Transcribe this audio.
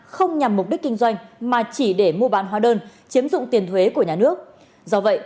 không nhằm mục đích kinh doanh mà chỉ để mua bán hóa đơn chiếm dụng tiền thuế của nhà nước do vậy